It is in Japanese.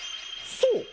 そう。